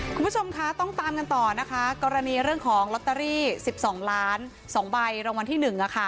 คุณผู้ชมคะต้องตามกันต่อนะคะกรณีเรื่องของลอตเตอรี่๑๒ล้าน๒ใบรางวัลที่๑